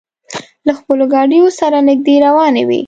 له خپلو ګاډیو سره نږدې روانې وې.